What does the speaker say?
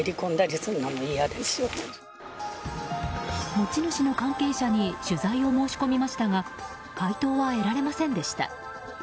持ち主の関係者に取材を申し込みましたが回答は得られませんでした。